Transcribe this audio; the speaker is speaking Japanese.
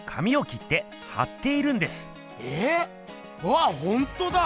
わっほんとだ。